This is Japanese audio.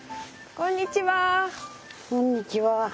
こんにちは。